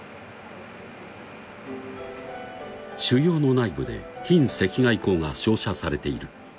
内部で近赤外光が照射されている